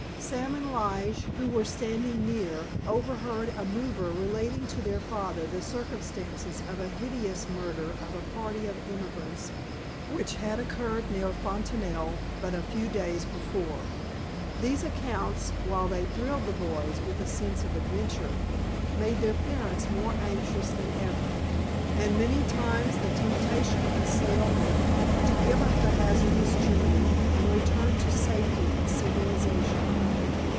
Sam and Lige, who were standing near, overheard a mover relating to their father the circumstances of a hideous murder of a party of emigrants which had occurred near Fontanelle but a few days before. These accounts, while they thrilled the boys with a sense of adventure, made their parents more anxious than ever, and many times the temptation assailed them to give up the hazardous journey and return to safety and civilization.